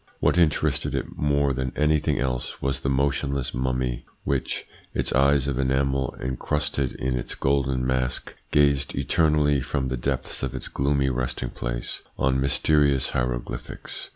What inte rested it more than anything else was the motionless mummy which, its eyes of enamel incrusted in its golden mask, gazed eternally, from the depths of its gloomy resting place, on mysterious hieroglyphics.